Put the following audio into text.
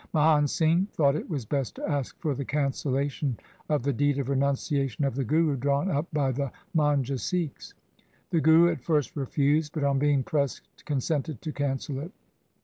Mahan Singh thought it was best to ask for the cancellation of the deed of renunciation of the Guru drawn up by the Manjha Sikhs. The Guru at first refused, but on being pressed consented to cancel it.